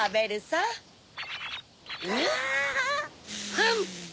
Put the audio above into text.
フン！